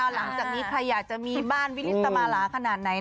หลังจากนี้ใครอยากจะมีบ้านวิลิสมาลาขนาดไหน